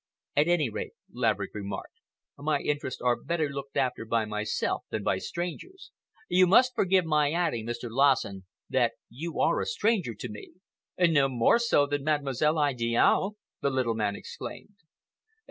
"At any rate," Laverick remarked, "my interests are better looked after by myself than by strangers. You must forgive my adding, Mr. Lassen, that you are a stranger to me." "No more so than Mademoiselle Idiale!" the little man exclaimed.